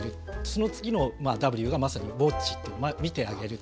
その次のＷがまさにＷａｔｃｈ見てあげる。